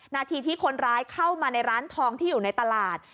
นาทีที่คนร้ายเข้ามาในร้านทองที่อยู่ในตลาด